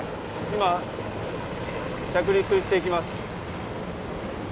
今、着陸していきます。